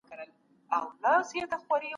سياستپوهانو د ټولنيزو ځواکونو اړيکي وڅېړلې.